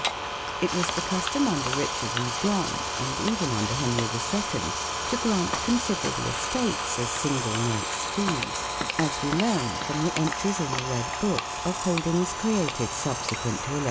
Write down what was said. It was the custom under Richard and John (and even under Henry II) to grant considerable estates as single knight's fees, as we learn from the entries in the " Red Book " of holdings created subsequent to n66.